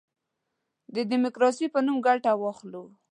د ډیموکراسی په نوم ګټه واخلو.